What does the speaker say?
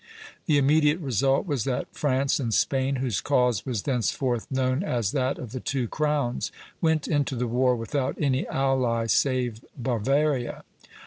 The immediate result was that France and Spain, whose cause was thenceforth known as that of the two crowns, went into the war without any ally save Bavaria.